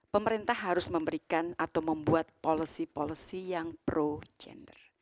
pemerintah harus memberikan atau membuat policy policy yang pro gender